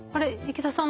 池田さん